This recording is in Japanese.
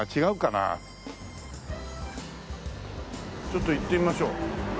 ちょっと行ってみましょう。